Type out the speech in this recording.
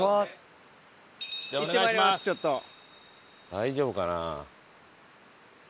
大丈夫かな？